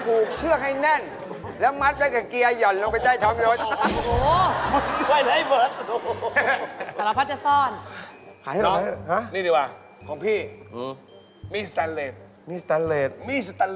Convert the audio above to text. เพราะเหลือเงินทอดเหลือมันจะได้เม้มไว้ได้